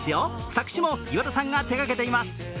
作詞も岩田さんが手がけています。